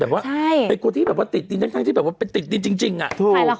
แบบว่าเป็นกว้าที่แบบว่าติดตินทั้งที่แบบว่าเป็นติดตินจริงอะถูก